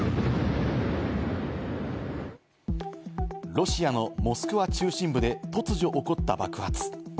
ロシアのモスクワ中心部で突如起こった爆発。